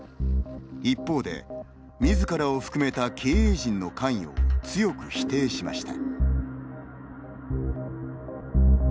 一方で、みずからを含めた経営陣の関与を強く否定しました。